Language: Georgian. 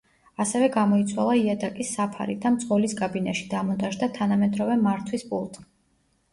ასევე გამოიცვალა იატაკის საფარი და მძღოლის კაბინაში დამონტაჟდა თანამედროვე მართვის პულტი.